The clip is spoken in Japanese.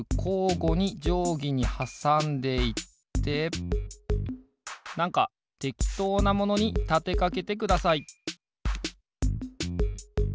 ごにじょうぎにはさんでいってなんかてきとうなものにたてかけてください